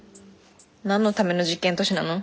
何のための実験都市なの。